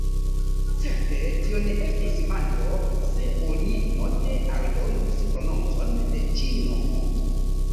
Certe, tio ne estus manko, se oni note aldonus prononcon de ĉiu nomo.